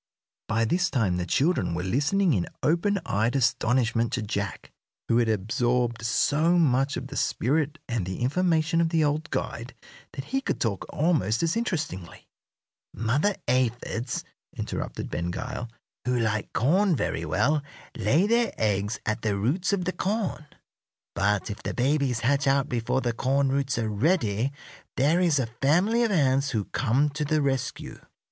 By this time the children were listening in open eyed astonishment to Jack, who had absorbed so much of the spirit and the information of the old guide that he could talk almost as interestingly. "Mother aphids," interrupted Ben Gile, "who like corn very well, lay their eggs at the roots of the corn. But if the babies hatch out before the corn roots are ready there is a family of ants who come to the rescue.